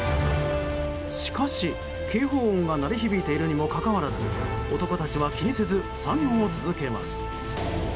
しかし警報音が鳴り響いているにもかかわらず男たちは気にせず作業を続けます。